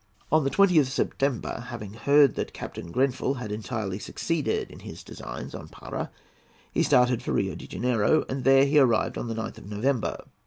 On the 20th of September, having heard that Captain Grenfell had entirely succeeded in his designs on Parà, he started for Rio de Janeiro, and there he arrived on the 9th of November.